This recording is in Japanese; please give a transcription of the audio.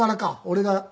俺が。